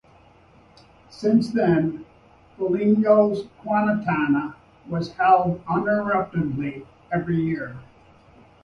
Since then, Foligno's "Quintana" was held uninterruptedly every year.